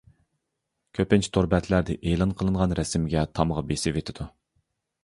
كۆپىنچە تور بەتلەردە ئېلان قىلغان رەسىمگە تامغا بېسىۋېتىدۇ.